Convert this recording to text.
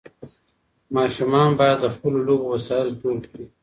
ماشومان باید د خپلو لوبو وسایل ټول کړي.